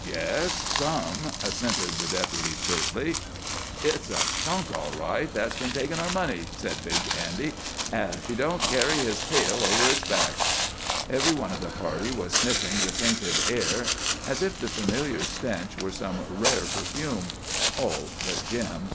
"Yes, some!" assented the Deputy curtly. "It's a skunk, all right, that's been takin' our money," said big Andy, "ef he don't carry his tail over his back." Every one of the party was sniffing the tainted air as if the familiar stench were some rare perfume—all but Jim.